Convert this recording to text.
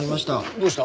どうした？